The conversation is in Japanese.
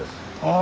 あ。